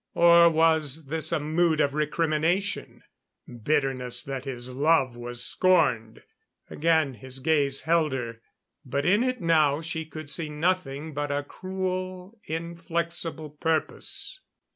Or was this a mood of recrimination? Bitterness that his love was scorned. Again his gaze held her, but in it now she could see nothing but a cruel inflexible purpose.